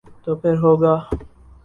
تو پھر ہو گا۔